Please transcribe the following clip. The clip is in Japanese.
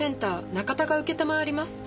中田が承ります。